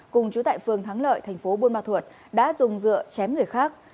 cùng chú tại phường thắng lợi thành phố buôn ma thuột đã dùng dựa chém người khác